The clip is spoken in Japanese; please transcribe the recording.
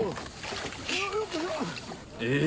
え？